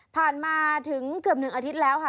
ผ่านมาถึงเกือบ๑อาทิตย์แล้วค่ะ